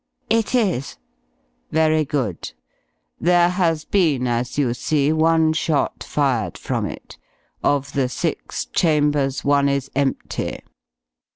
"It is." "Very good. There has been, as you see, one shot fired from it. Of the six chambers one is empty."